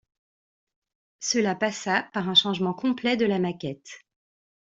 Cela passa par un changement complet de la maquette.